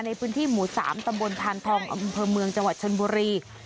ในพื้นที่หมู่๓ตำบลพานทองอำเภอเมืองจังหวัดชนบุรี